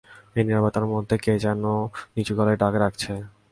এই নীরবতার মধ্যেও কে যেন নিচু গলায় তাকে ডাকছে।